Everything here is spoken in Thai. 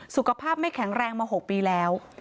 สุขภาพไม่แข็งแรงมา๖ปีแล้ว